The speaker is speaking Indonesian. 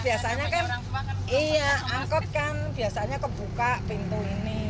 biasanya kan iya angkot kan biasanya kebuka pintu ini